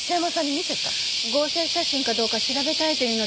合成写真かどうか調べたいと言うので貸したんです。